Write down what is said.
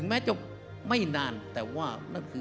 ไม่นานแต่ว่า